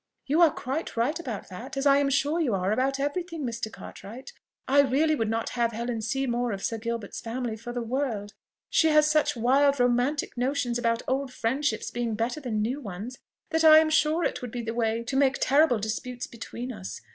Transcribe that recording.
"You are quite right about that, as I'm sure you are about every thing, Mr. Cartwright. I really would not have Helen see more of Sir Gilbert's family for the world! She has such wild romantic notions about old friendships being better than new ones, that I am sure it would be the way to make terrible disputes between us.